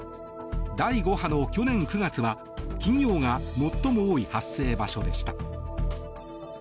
第５波の去年９月は企業が最も多い発生場所でした。